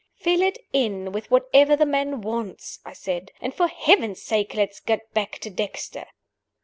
"Fill it in with whatever the man wants," I said. "And for Heaven's sake let us get back to Dexter!"